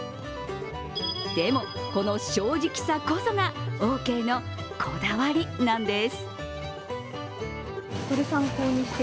でも、この正直さこそがオーケーのこだわりなんです。